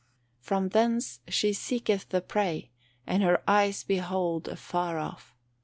"From thence she seeketh the prey, and her eyes behold afar off.